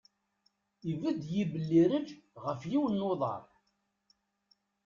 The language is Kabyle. Ibedd yibellireǧ ɣef yiwen n uḍar.